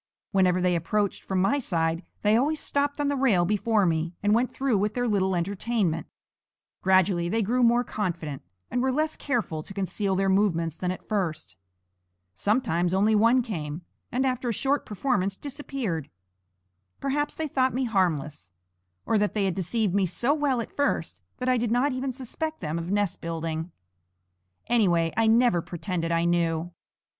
Whenever they approached from my side, they always stopped on the rail before me and went through with their little entertainment. Gradually they grew more confident, and were less careful to conceal their movements than at first. Sometimes only one came, and after a short performance disappeared. Perhaps they thought me harmless, or that they had deceived me so well at first that I did not even suspect them of nest building. Anyway, I never pretended I knew.